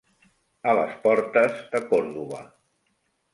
A les portes de Còrdova.